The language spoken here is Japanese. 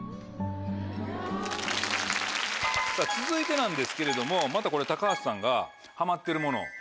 続いてなんですけれどもまたこれ高畑さんがハマってるもの